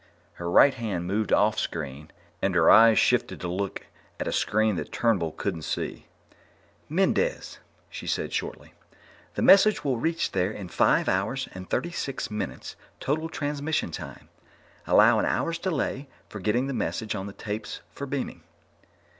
Her right hand moved off screen, and her eyes shifted to look at a screen that Turnbull couldn't see. "Mendez," she said shortly. "The message will reach there in five hours and thirty six minutes total transmission time. Allow an hour's delay for getting the message on the tapes for beaming.